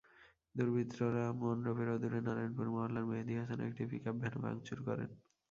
দুর্বৃত্তরা মণ্ডপের অদূরে নারায়ণপুর মহল্লার মেহেদি হাছানের একটি পিকআপ ভ্যানও ভাঙচুর করেন।